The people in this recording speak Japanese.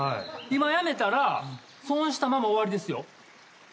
今やめたら損したまま終わりですよ。